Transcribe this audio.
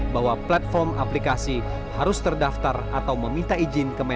bahwa platform aplikasi harus terdaftar atau meminta izin kementerian